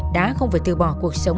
đã không phải từ bỏ cuộc sống